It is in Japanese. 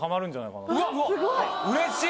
うれしい！